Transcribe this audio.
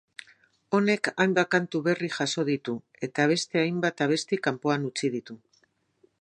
Honek hainbat kantu berri jaso ditu eta beste hainbat abesti kanpoan utzi ditu.